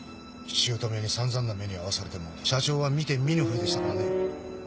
姑にさんざんな目に遭わされても社長は見て見ぬふりでしたからね。